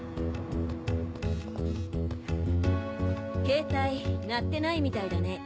ケータイ鳴ってないみたいだね。